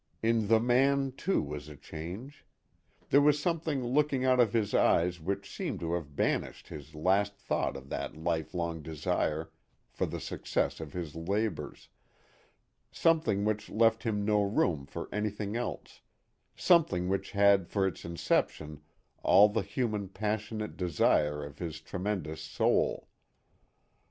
In the man, too, was a change. There was something looking out of his eyes which seemed to have banished his last thought of that lifelong desire for the success of his labors, something which left him no room for anything else, something which had for its inception all the human passionate desire of his tremendous soul.